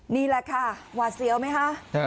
นี่แหละค่ะหวาดเสียวไหมคะ